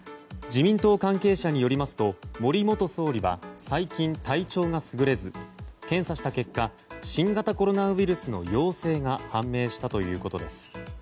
自民党関係者によりますと森元総理は最近、体調が優れず検査した結果新型コロナウイルスの陽性が判明したということです。